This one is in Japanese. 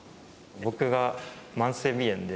僕が慢性鼻炎で。